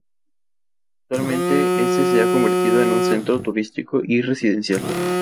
Actualmente, este se ha convertido en un centro turístico y residencial.